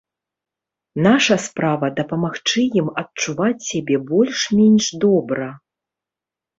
Наша справа, дапамагчы ім адчуваць сябе больш-менш добра.